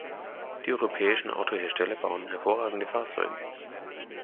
Die europäischen Autohersteller bauen hervorragende Fahrzeuge.